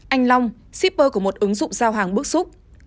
anh long shipper của một ứng dụng giao hàng bước xúc